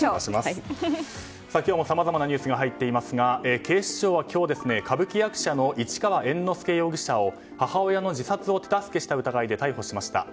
今日もさまざまなニュースが入っていますが警視庁は今日、歌舞伎役者の市川猿之助容疑者を母親の自殺を手助けした疑いで逮捕しました。